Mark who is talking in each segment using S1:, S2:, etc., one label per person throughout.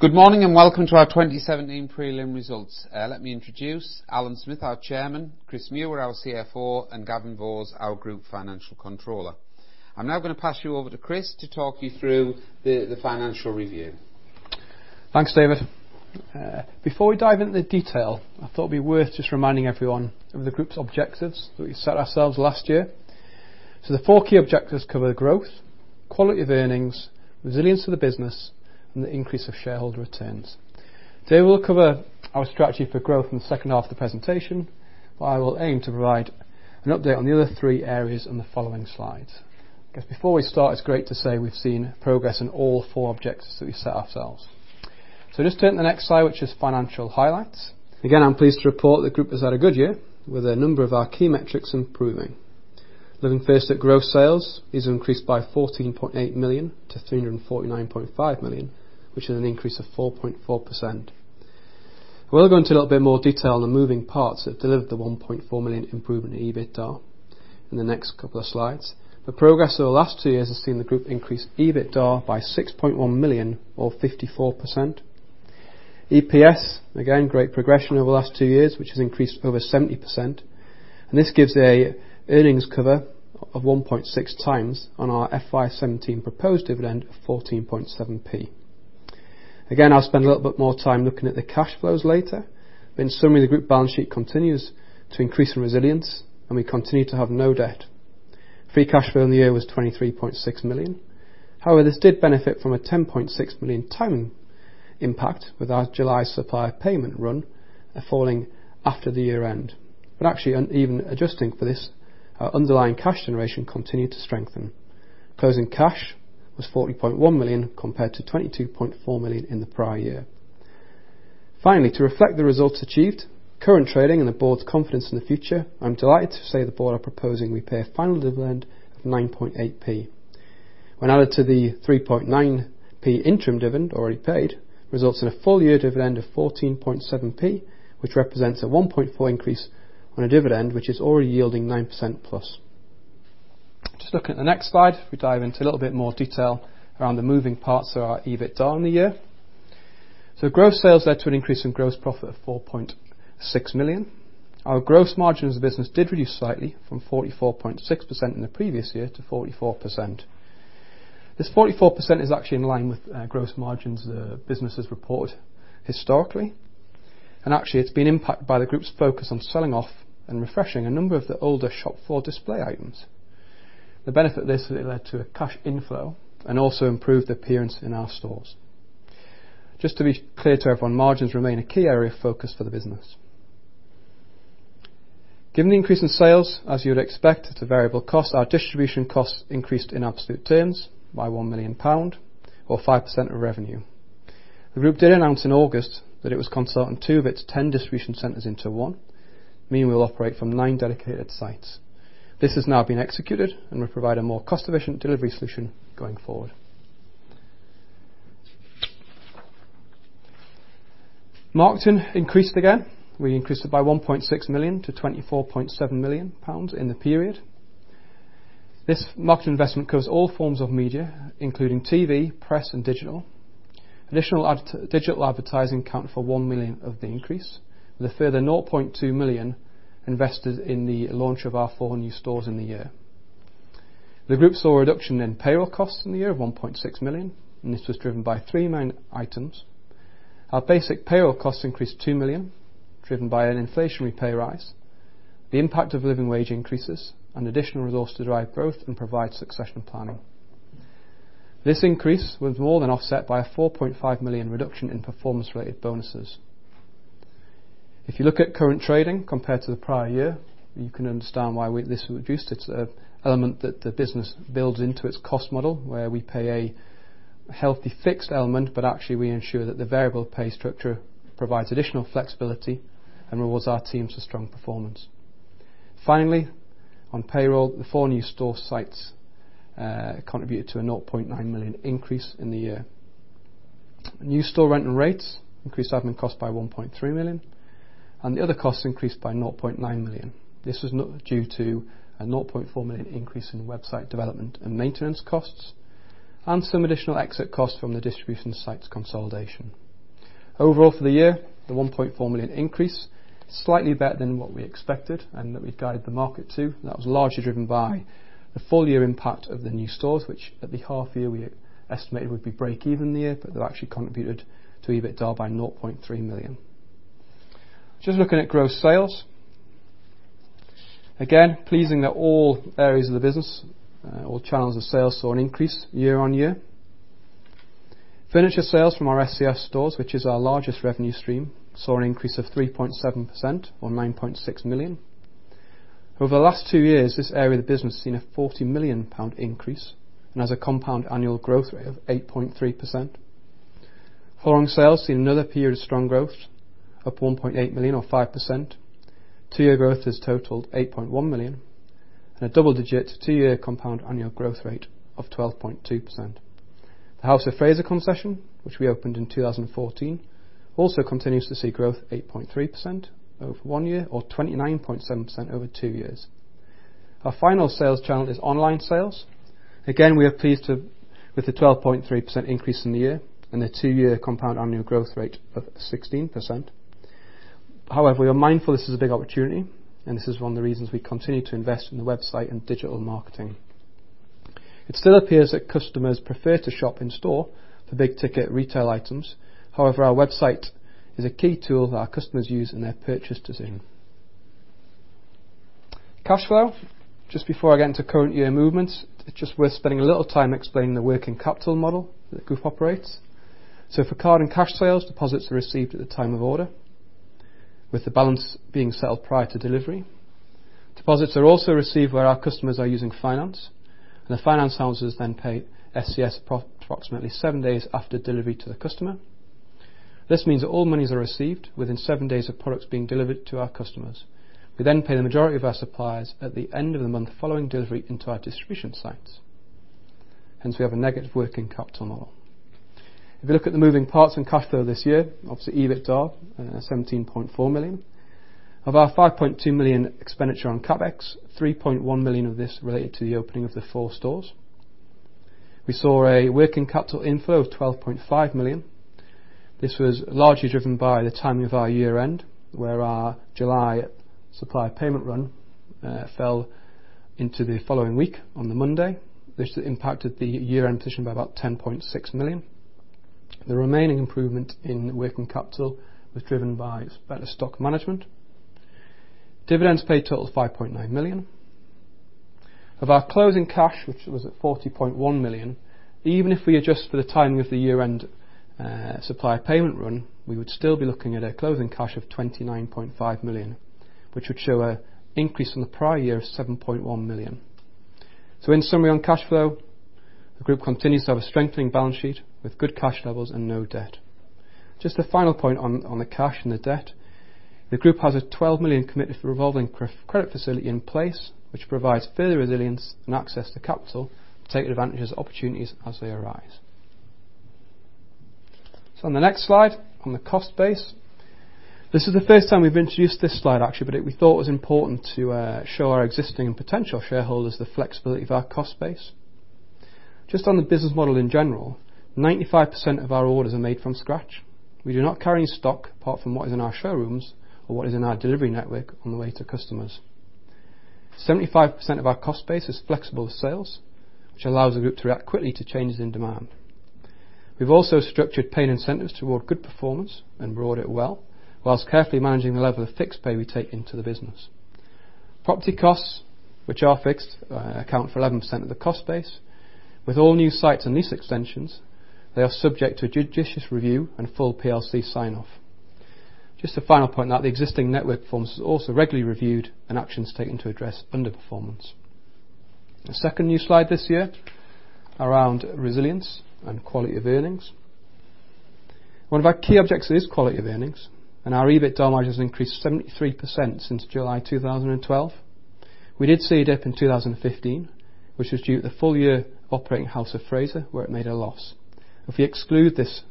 S1: Good morning and welcome to our 2017 prelim results. Let me introduce Alan Smith, our Chairman, Chris Muir, our CFO, and Gavin Voss, our Group Financial Controller. I'm now going to pass you over to Chris to talk you through the financial review.
S2: Thanks, David. Before we dive into the detail, I thought it would be worth just reminding everyone of the Group's objectives that we set ourselves last year. The four key objectives cover growth, quality of earnings, resilience of the business, and the increase of shareholder returns. Today we'll cover our strategy for growth in the second half of the presentation, but I will aim to provide an update on the other three areas on the following slides. I guess before we start, it's great to say we've seen progress in all four objectives that we set ourselves. Just turn to the next slide, which is financial highlights. Again, I'm pleased to report that the Group has had a good year with a number of our key metrics improving. Looking first at gross sales, these have increased by 14.8 million-349.5 million, which is an increase of 4.4%. We'll go into a little bit more detail on the moving parts that delivered the 1.4 million improvement in EBITDA in the next couple of slides. The progress over the last two years has seen the Group increase EBITDA by 6.1 million, or 54%. EPS, again, great progression over the last two years, which has increased over 70%. This gives an earnings cover of 1.6 times on our FY2017 proposed dividend of 0.147. I'll spend a little bit more time looking at the cash flows later, but in summary, the Group balance sheet continues to increase in resilience, and we continue to have no debt. Free cash flow in the year was 23.6 million. However, this did benefit from a 10.6 million timing impact with our July supply payment run falling after the year-end. Actually, even adjusting for this, our underlying cash generation continued to strengthen. Closing cash was 40.1 million compared to 22.4 million in the prior year. Finally, to reflect the results achieved, current trading, and the Board's confidence in the future, I'm delighted to say the Board are proposing we pay a final dividend of 0.098. When added to the 0.039 interim dividend already paid, results in a full-year dividend of 0.147, which represents a 1.4 percentage point increase on a dividend which is already yielding 9%+. Just looking at the next slide, we dive into a little bit more detail around the moving parts of our EBITDA in the year. Gross sales led to an increase in gross profit of 4.6 million. Our gross margins of the business did reduce slightly from 44.6% in the previous year to 44%. This 44% is actually in line with gross margins the business has reported historically. It has been impacted by the Group's focus on selling off and refreshing a number of the older shop floor display items. The benefit of this is it led to a cash inflow and also improved appearance in our stores. Just to be clear to everyone, margins remain a key area of focus for the business. Given the increase in sales, as you would expect at a variable cost, our distribution costs increased in absolute terms by 1 million pound, or 5% of revenue. The Group did announce in August that it was consolidating two of its 10 distribution centers into one, meaning we will operate from nine dedicated sites. This has now been executed, and we will provide a more cost-efficient delivery solution going forward. Marketing increased again. We increased it by 1.6 million to 24.7 million pounds in the period. This marketing investment covers all forms of media, including TV, press, and digital. Additional digital advertising accounted for 1 million of the increase, with a further 0.2 million invested in the launch of our four new stores in the year. The Group saw a reduction in payroll costs in the year of 1.6 million, and this was driven by three main items. Our basic payroll costs increased 2 million, driven by an inflationary pay rise, the impact of living wage increases, and additional resources to drive growth and provide succession planning. This increase was more than offset by a 4.5 million reduction in performance-related bonuses. If you look at current trading compared to the prior year, you can understand why this reduced. It's an element that the business builds into its cost model, where we pay a healthy fixed element, but actually we ensure that the variable pay structure provides additional flexibility and rewards our teams for strong performance. Finally, on payroll, the four new store sites contributed to a 0.9 million increase in the year. New store rental rates increased admin costs by 1.3 million, and the other costs increased by 0.9 million. This was due to a 0.4 million increase in website development and maintenance costs and some additional exit costs from the distribution sites consolidation. Overall, for the year, the 1.4 million increase is slightly better than what we expected and that we'd guided the market to. That was largely driven by the full-year impact of the new stores, which at the half-year we estimated would be break-even in the year, but they've actually contributed to EBITDA by 0.3 million. Just looking at gross sales, again, pleasing that all areas of the business, all channels of sales, saw an increase year on year. Furniture sales from our ScS stores, which is our largest revenue stream, saw an increase of 3.7%, or 9.6 million. Over the last two years, this area of the business has seen a 40 million pound increase and has a compound annual growth rate of 8.3%. Flooring sales seen another period of strong growth of 1.8 million, or 5%. Two-year growth has totaled 8.1 million and a double-digit two-year compound annual growth rate of 12.2%. The House of Fraser concession, which we opened in 2014, also continues to see growth of 8.3% over one year, or 29.7% over two years. Our final sales channel is online sales. Again, we are pleased with the 12.3% increase in the year and the two-year compound annual growth rate of 16%. However, we are mindful this is a big opportunity, and this is one of the reasons we continue to invest in the website and digital marketing. It still appears that customers prefer to shop in store for big-ticket retail items. However, our website is a key tool that our customers use in their purchase decision. Cash flow, just before I get into current year movements, it's just worth spending a little time explaining the working capital model that the Group operates. For card and cash sales, deposits are received at the time of order, with the balance being settled prior to delivery. Deposits are also received where our customers are using finance, and the finance houses then pay ScS approximately seven days after delivery to the customer. This means that all monies are received within seven days of products being delivered to our customers. We then pay the majority of our suppliers at the end of the month following delivery into our distribution sites. Hence, we have a negative working capital model. If you look at the moving parts and cash flow this year, obviously EBITDA is 17.4 million. Of our 5.2 million expenditure on CapEx, 3.1 million of this related to the opening of the four stores. We saw a working capital inflow of 12.5 million. This was largely driven by the timing of our year-end, where our July supply payment run fell into the following week on the Monday, which impacted the year-end position by about 10.6 million. The remaining improvement in working capital was driven by better stock management. Dividends paid total 5.9 million. Of our closing cash, which was at 40.1 million, even if we adjust for the timing of the year-end supply payment run, we would still be looking at a closing cash of 29.5 million, which would show an increase from the prior year of 7.1 million. In summary on cash flow, the Group continues to have a strengthening balance sheet with good cash levels and no debt. Just a final point on the cash and the debt. The Group has a 12 million committed revolving credit facility in place, which provides further resilience and access to capital to take advantage of opportunities as they arise. On the next slide, on the cost base, this is the first time we've introduced this slide, actually, but we thought it was important to show our existing and potential shareholders the flexibility of our cost base. Just on the business model in general, 95% of our orders are made from scratch. We do not carry any stock apart from what is in our showrooms or what is in our delivery network on the way to customers. 75% of our cost base is flexible sales, which allows the Group to react quickly to changes in demand. We've also structured pay and incentives toward good performance and brought it well, whilst carefully managing the level of fixed pay we take into the business. Property costs, which are fixed, account for 11% of the cost base. With all new sites and lease extensions, they are subject to a judicious review and full PLC sign-off. Just a final point that the existing network performance is also regularly reviewed and actions taken to address underperformance. A second new slide this year around resilience and quality of earnings. One of our key objectives is quality of earnings, and our EBITDA margins increased 73% since July 2012. We did see a dip in 2015, which was due to the full-year operating House of Fraser, where it made a loss. If we exclude this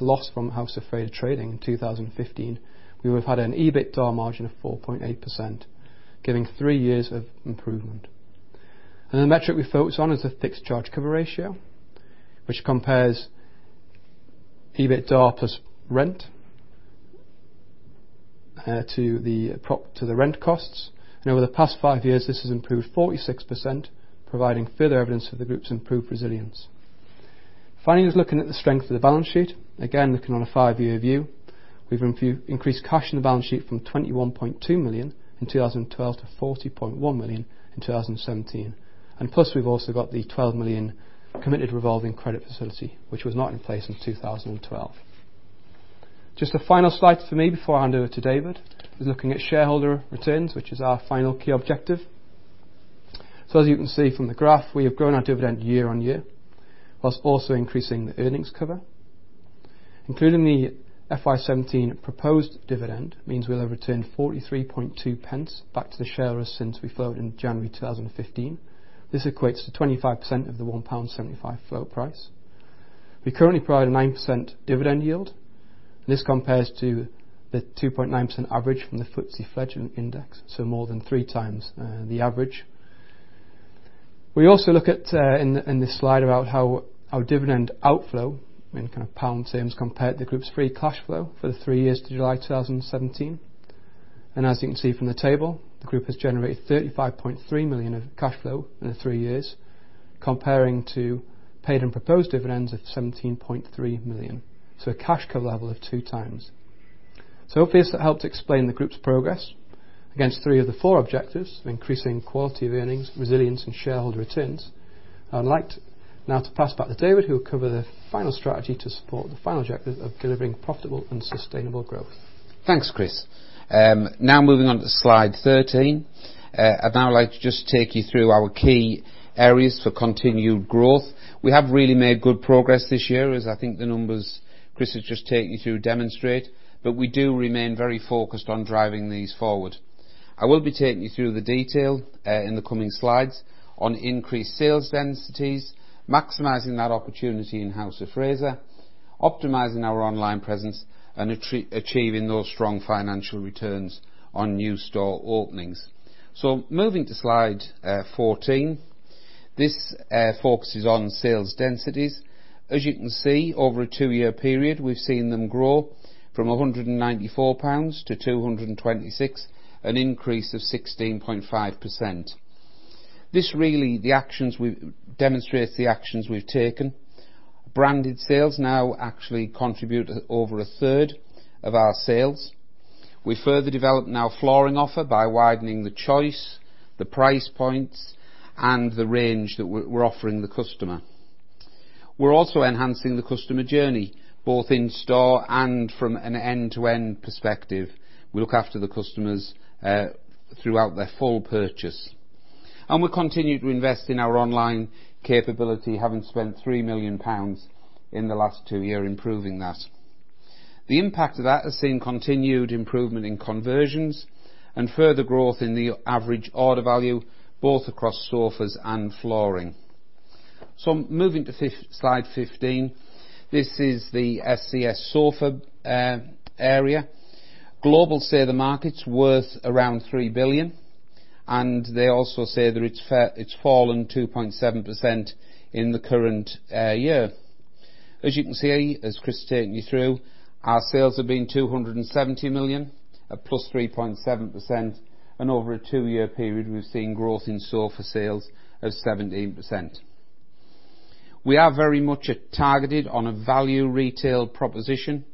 S2: loss from House of Fraser trading in 2015, we would have had an EBITDA margin of 4.8%, giving three years of improvement. The metric we focus on is the fixed charge cover ratio, which compares EBITDA plus rent to the rent costs. Over the past five years, this has improved 46%, providing further evidence of the Group's improved resilience. Finally, just looking at the strength of the balance sheet, again, looking on a five-year view, we have increased cash in the balance sheet from 21.2 million in 2012 to 40.1 million in 2017. Plus, we have also got the 12 million committed revolving credit facility, which was not in place in 2012. Just a final slide for me before I hand over to David is looking at shareholder returns, which is our final key objective. As you can see from the graph, we have grown our dividend year on year, whilst also increasing the earnings cover. Including the FY2017 proposed dividend means we will have returned 0.432 back to the shareholders since we floated in January 2015. This equates to 25% of the 1.75 pound float price. We currently provide a 9% dividend yield. This compares to the 2.9% average from the FTSE Fledgling Index, so more than three times the average. We also look at in this slide about how our dividend outflow in kind of pound terms compared to the Group's free cash flow for the three years to July 2017. As you can see from the table, the Group has generated 35.3 million of cash flow in the three years, comparing to paid and proposed dividends of 17.3 million. So a cash cover level of two times. Hopefully this helped explain the Group's progress against three of the four objectives of increasing quality of earnings, resilience, and shareholder returns. I'd like now to pass back to David, who will cover the final strategy to support the final objective of delivering profitable and sustainable growth.
S1: Thanks, Chris. Now moving on to slide 13. I'd now like to just take you through our key areas for continued growth. We have really made good progress this year, as I think the numbers Chris has just taken you through demonstrate, but we do remain very focused on driving these forward. I will be taking you through the detail in the coming slides on increased sales densities, maximizing that opportunity in House of Fraser, optimizing our online presence, and achieving those strong financial returns on new store openings. Moving to slide 14, this focuses on sales densities. As you can see, over a two-year period, we've seen them grow from 194-226 pounds, an increase of 16.5%. This really demonstrates the actions we've taken. Branded sales now actually contribute over a third of our sales. We further develop now flooring offer by widening the choice, the price points, and the range that we're offering the customer. We're also enhancing the customer journey, both in store and from an end-to-end perspective. We look after the customers throughout their full purchase. We continue to invest in our online capability, having spent 3 million pounds in the last two years improving that. The impact of that has seen continued improvement in conversions and further growth in the average order value, both across sofas and flooring. Moving to slide 15, this is the ScS sofa area. Global say the market's worth around 3 billion, and they also say that it's fallen 2.7% in the current year. As you can see, as Chris is taking you through, our sales have been 270 million, a +3.7%, and over a two-year period, we've seen growth in sofa sales of 17%. We are very much targeted on a value retail proposition,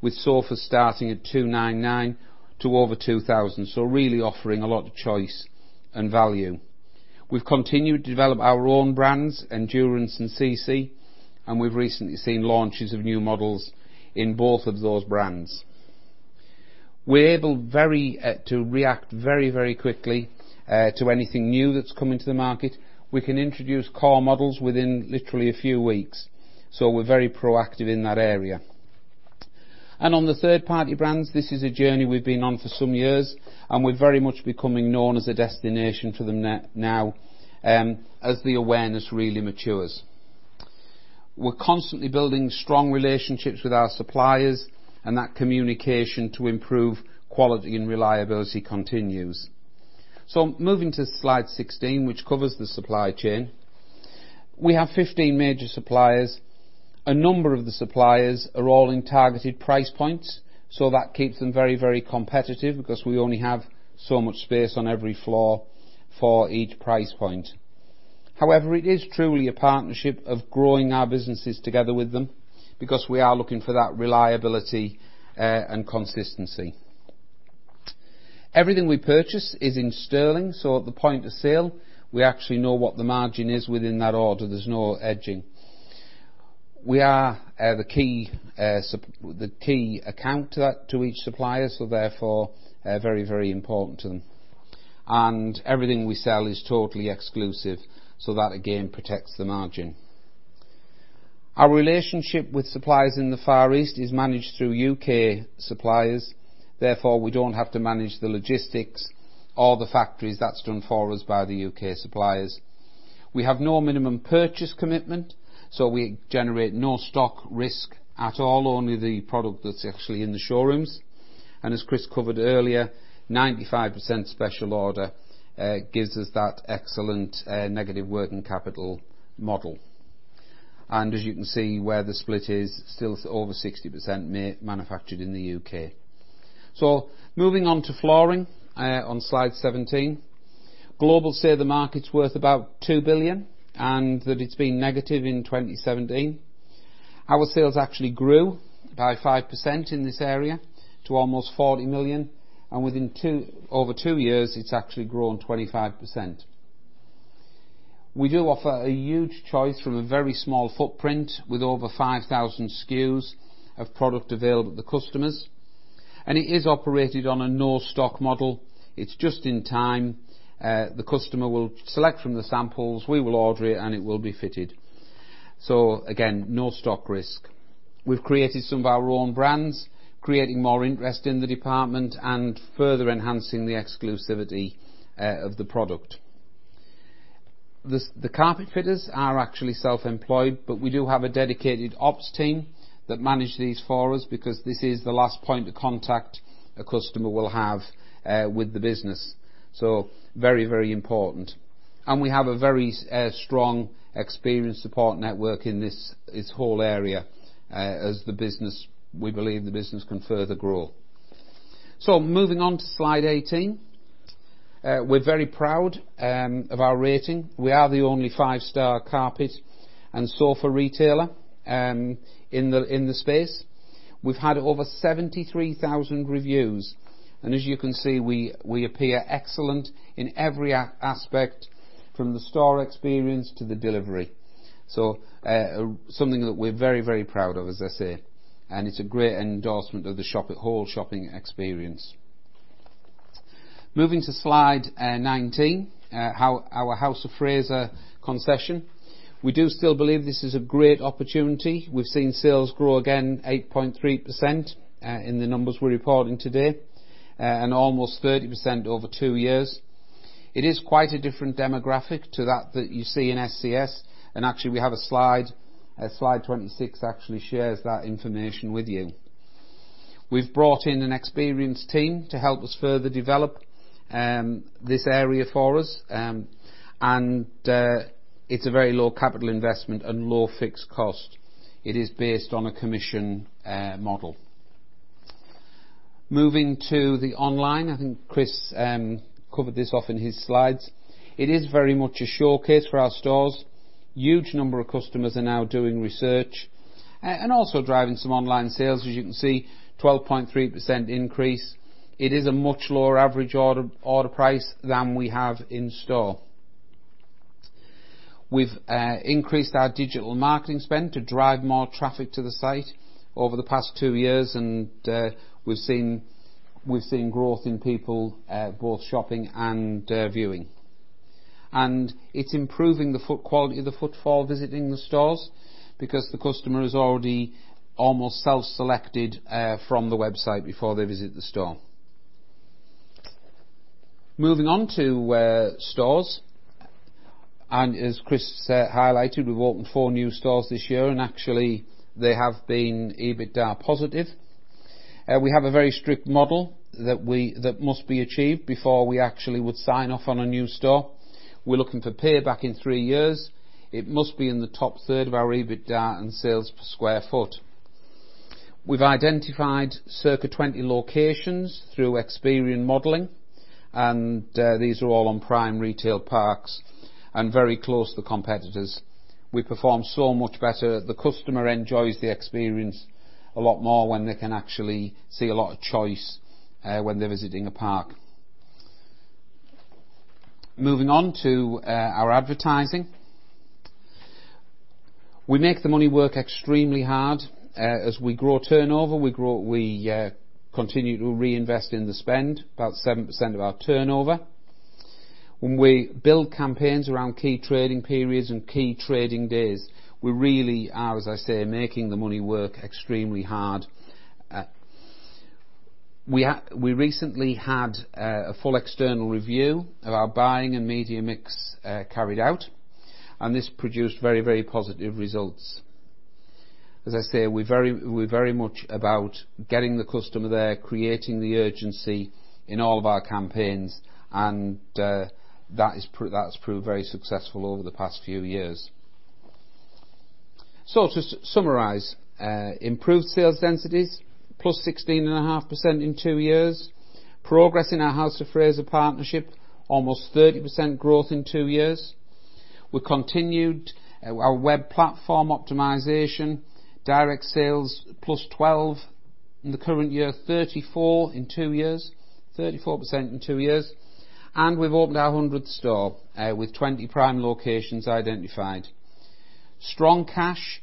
S1: with sofas starting at 299 to over 2,000, so really offering a lot of choice and value. We've continued to develop our own brands, Endurance and CC, and we've recently seen launches of new models in both of those brands. We're able to react very, very quickly to anything new that's coming to the market. We can introduce core models within literally a few weeks, so we're very proactive in that area. On the third-party brands, this is a journey we've been on for some years, and we're very much becoming known as a destination for them now as the awareness really matures. We're constantly building strong relationships with our suppliers, and that communication to improve quality and reliability continues. Moving to slide 16, which covers the supply chain, we have 15 major suppliers. A number of the suppliers are all in targeted price points, so that keeps them very, very competitive because we only have so much space on every floor for each price point. However, it is truly a partnership of growing our businesses together with them because we are looking for that reliability and consistency. Everything we purchase is in pound sterling, so at the point of sale, we actually know what the margin is within that order. There's no edging. We are the key account to each supplier, so therefore very, very important to them. Everything we sell is totally exclusive, so that again protects the margin. Our relationship with suppliers in the Far East is managed through U.K. suppliers. Therefore, we do not have to manage the logistics or the factories. That is done for us by the U.K. suppliers. We have no minimum purchase commitment, so we generate no stock risk at all, only the product that is actually in the showrooms. As Chris covered earlier, 95% special order gives us that excellent negative working capital model. As you can see, where the split is, still over 60% manufactured in the U.K. Moving on to flooring on slide 17, Global say the market is worth about 2 billion and that it has been negative in 2017. Our sales actually grew by 5% in this area to almost 40 million, and within over two years, it's actually grown 25%. We do offer a huge choice from a very small footprint with over 5,000 SKUs of product available to customers, and it is operated on a no-stock model. It's just in time. The customer will select from the samples, we will order it, and it will be fitted. Again, no-stock risk. We've created some of our own brands, creating more interest in the department and further enhancing the exclusivity of the product. The carpet fitters are actually self-employed, but we do have a dedicated ops team that manage these for us because this is the last point of contact a customer will have with the business. Very, very important. We have a very strong experience support network in this whole area as we believe the business can further grow. Moving on to slide 18, we're very proud of our rating. We are the only five-star carpet and sofa retailer in the space. We've had over 73,000 reviews. As you can see, we appear excellent in every aspect, from the store experience to the delivery. That is something that we're very, very proud of, as I say. It is a great endorsement of the whole shopping experience. Moving to slide 19, our House of Fraser concession. We do still believe this is a great opportunity. We've seen sales grow again, 8.3% in the numbers we're reporting today, and almost 30% over two years. It is quite a different demographic to that that you see in ScS. We have a slide, slide 26 actually shares that information with you. We have brought in an experienced team to help us further develop this area for us, and it is a very low capital investment and low fixed cost. It is based on a commission model. Moving to the online, I think Chris covered this off in his slides. It is very much a showcase for our stores. Huge number of customers are now doing research and also driving some online sales. As you can see, 12.3% increase. It is a much lower average order price than we have in store. We have increased our digital marketing spend to drive more traffic to the site over the past two years, and we have seen growth in people both shopping and viewing. It is improving the quality of the footfall visiting the stores because the customer has already almost self-selected from the website before they visit the store. Moving on to stores, as Chris highlighted, we have opened four new stores this year, and actually, they have been EBITDA positive. We have a very strict model that must be achieved before we actually would sign off on a new store. We are looking for payback in three years. It must be in the top third of our EBITDA and sales per sq ft. We have identified circa 20 locations through Experian modelling, and these are all on prime retail parks and very close to the competitors. We perform so much better. The customer enjoys the experience a lot more when they can actually see a lot of choice when they are visiting a park. Moving on to our advertising. We make the money work extremely hard. As we grow turnover, we continue to reinvest in the spend, about 7% of our turnover. When we build campaigns around key trading periods and key trading days, we really are, as I say, making the money work extremely hard. We recently had a full external review of our buying and media mix carried out, and this produced very, very positive results. As I say, we're very much about getting the customer there, creating the urgency in all of our campaigns, and that's proved very successful over the past few years. To summarize, improved sales densities, plus 16.5% in two years, progress in our House of Fraser partnership, almost 30% growth in two years. We continued our web platform optimization, direct sales +12% in the current year, 34% in two years, 34% in two years. We have opened our 100th store with 20 prime locations identified. Strong cash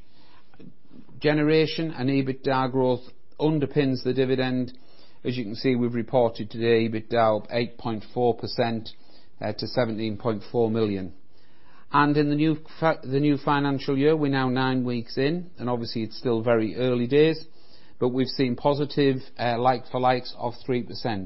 S1: generation and EBITDA growth underpins the dividend. As you can see, we have reported today EBITDA up 8.4%- 17.4 million. In the new financial year, we are now nine weeks in, and obviously, it is still very early days, but we have seen positive like-for-likes of 3%.